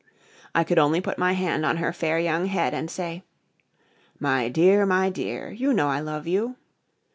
I could only put my hand on her fair young head and say: "My dear, my dear, you know I love you."